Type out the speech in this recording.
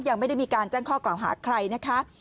ยังไม่ได้มีการแจ้งข้อกล่าวหาใครนะคะ